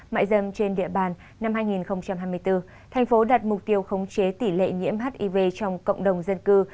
mại dâm trên địa bàn năm hai nghìn hai mươi bốn thành phố đặt mục tiêu khống chế tỷ lệ nhiễm hiv trong cộng đồng dân cư